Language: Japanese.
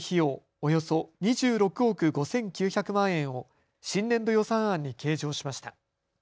およそ２６億５９００万円を新年度予算案に計上しました。